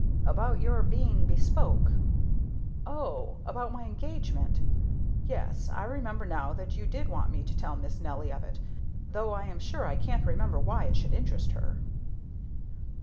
"About your being bespoke." "Oh! about my engagement? Yes, I remember now that you did want me to tell Miss Nelly of it, though I am sure I can't imagine why it should interest her."